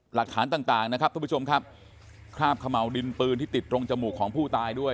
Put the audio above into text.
หลักฐานต่างต่างนะครับทุกผู้ชมครับคราบขม่าวดินปืนที่ติดตรงจมูกของผู้ตายด้วย